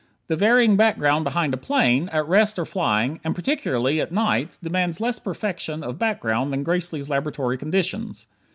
The varying background behind a plane at rest or flying, and particularly at night demands less perfection of background than Gracely's laboratory conditions.